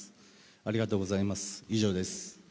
ありがとうございます。